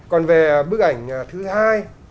còn về bức ảnh thứ hai